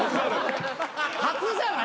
初じゃない？